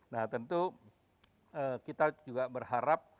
nah tentu kita juga berharap